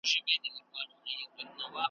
شاعر: خلیل جبران `